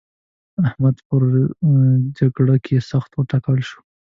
احمد په جګړه کې سخت وټکول شو.